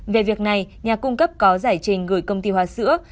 về việc này nhà cung cấp có giải trình gửi công ty hoa sữa